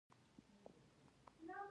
د پیتالوژي علم د بدن ژبه ده.